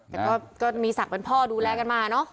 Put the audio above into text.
แต่ก็มีศักดิ์เป็นพ่อดูแลกันมาเนอะ